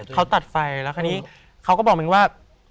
เขาตัดไฟแล้วคราวนี้เขาก็บอกมิ้นว่า